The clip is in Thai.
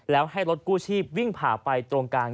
แล้วให้รถกู้ชีพวิ่งผ่าไปตรงกลาง